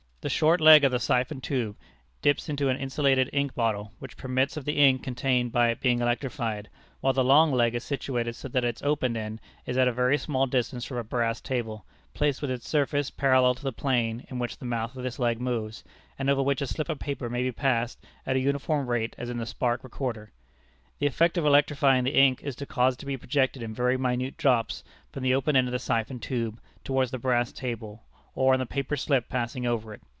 The short leg of the siphon tube dips into an insulated ink bottle, which permits of the ink contained by it being electrified, while the long leg is situated so that its open end is at a very small distance from a brass table, placed with its surface parallel to the plane in which the mouth of this leg moves, and over which a slip of paper may be passed at a uniform rate as in the Spark Recorder. The effect of electrifying the ink is to cause it to be projected in very minute drops from the open end of the siphon tube, towards the brass table or on the paper slip passing over it.